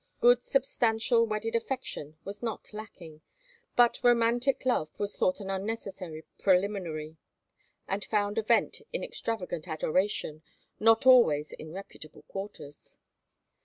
Good substantial wedded affection was not lacking, but romantic love was thought an unnecessary preliminary, and found a vent in extravagant adoration, not always in reputable quarters.